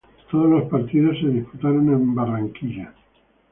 Todos los partidos se disputaron en Barranquilla.